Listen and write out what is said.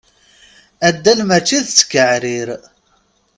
Addal mačči d ttkeɛrir.